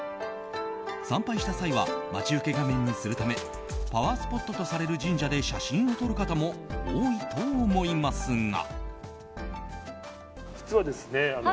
参拝した際は待ち受け画面にするためパワースポットとされる神社で写真を撮る方も多いと思いますが。